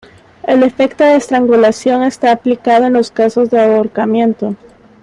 El efecto de estrangulación está aplicado en los casos de Ahorcamiento.